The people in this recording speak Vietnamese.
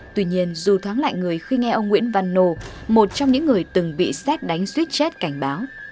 tuy nhiên dù thoáng lại người khi nghe ông nguyễn văn nô một trong những người từng bị xét đánh suy chết cảnh báo